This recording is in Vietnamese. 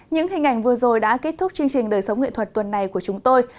những hình ảnh vừa rồi đã kết thúc chương trình đời sống nghệ thuật tuần này của chúng tôi